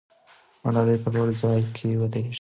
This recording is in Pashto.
ملالۍ په لوړ ځای کې ودرېږي.